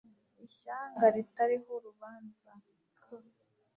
ishyanga ritariho urubanza k